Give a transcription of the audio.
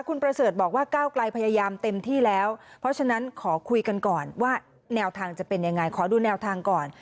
คุณประเสริฐบอกว่าก้าวไกลพยายามเต็มที่แล้วเพราะฉะนั้นขอคุยกันก่อนว่าแนวทางจะเป็นยังไงขอดูแนวทางก่อน